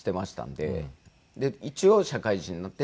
で一応社会人になって。